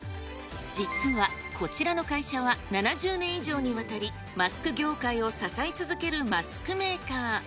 実は、こちらの会社は７０年以上にわたり、マスク業界を支え続けるマスクメーカー。